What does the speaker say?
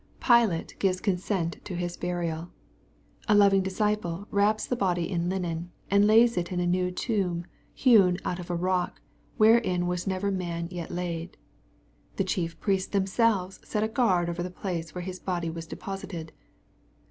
— Pilate gives consent to His burial, A loving disciple wraps the body in linen, and lays it in a new tomb hewn out of a rock, " wherein was never man yet laid." The chief priests themselves set a guard over the place where His body was deposited.